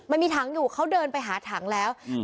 มันมีถังอยู่เขาเดินไปหาถังแล้วอืม